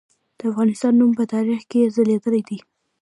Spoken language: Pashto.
د افغانستان نوم په تاریخ کې ځلیدلی دی.